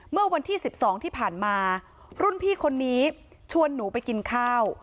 เมื่อวันที่๑๒ที่ผ่านมารุ่นพี่คนนี้ชวนหนูไปกินข้าว